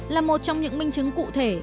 là một trong những minh chứng cụ thể